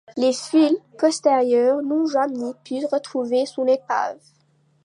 Les fouilles postérieures n'ont jamais pu retrouver son épave.